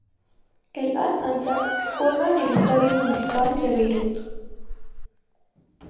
El Al Ansar juega en el Estadio Municipal de Beirut.